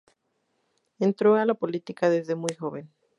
Entró en la política desde muy joven.